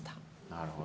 なるほど。